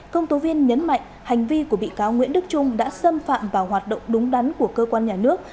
công tố viên nhấn mạnh hành vi của bị cáo nguyễn đức trung đã xâm phạm vào hoạt động đúng đắn của cơ quan nhà nước